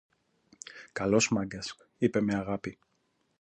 Καλός Μάγκας, είπε με αγάπη